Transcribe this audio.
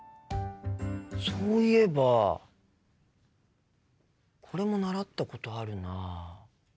そういえばこれも習ったことあるな。